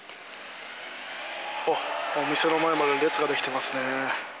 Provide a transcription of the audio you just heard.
お店の前まで列が出来てます